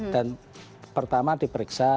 dan pertama diperiksa